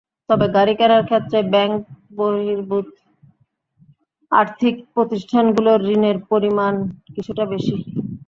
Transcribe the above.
তবে গাড়ি কেনার ক্ষেত্রে ব্যাংকবহির্ভূত আর্থিক প্রতিষ্ঠানগুলোর ঋণের পরিমাণ কিছুটা বেশি।